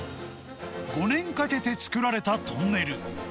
５年かけて作られたトンネル。